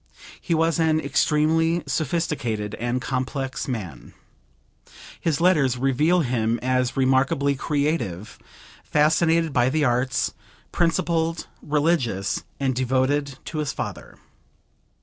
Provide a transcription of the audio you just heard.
He was an extremely sophisticated and complex man. His letters reveal him as remarkably creative, fascinated by the arts, principled, religious and devoted to his father.